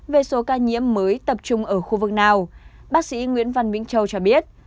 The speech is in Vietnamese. về số ca nhiễm mới tập trung ở khu vực nào bác sĩ nguyễn văn vĩnh châu cho biết